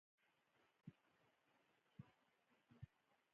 که فشار په پوره اندازه ډیر شي.